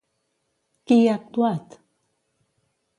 Qui hi ha actuat?